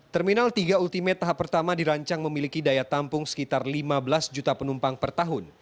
terminal tiga ultimate tahap pertama dirancang memiliki daya tampung sekitar lima belas juta penumpang per tahun